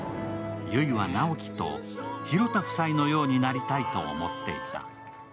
悠依は直木と広田夫妻のようになりたいと思っていた。